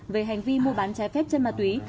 về hành vi mua bán trái phép chất ma túy